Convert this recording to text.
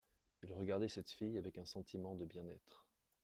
Il regardait cette fille avec un sentiment de bien-être.